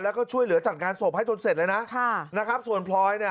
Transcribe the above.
แล้วก็ช่วยเหลือจัดงานศพให้ทนเสร็จเลยนะค่ะนะครับส่วนพลอยเนี่ย